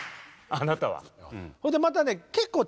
あなたは。